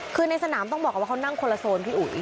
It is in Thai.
คือในสนามต้องบอกก่อนว่าเขานั่งคนละโซนพี่อุ๋ย